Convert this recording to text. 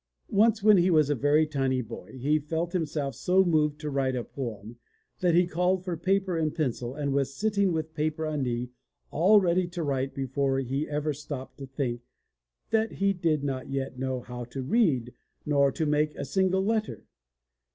Once when he was a very tiny boy he felt himself so moved to write a poem that he called for paper and pencil and was sitting with paper on knee all ready to write before he ever stopped to think that he did not yet know how to read nor to make a single letter!